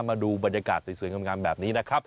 มาดูบรรยากาศสวยงามแบบนี้นะครับ